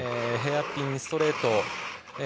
ヘアピン、ストレート